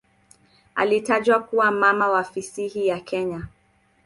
Alitajwa kuwa "mama wa fasihi ya Kenya".